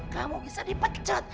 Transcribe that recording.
kamu bisa dipecat